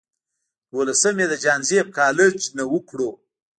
دولسم ئې د جهانزيب کالج نه اوکړو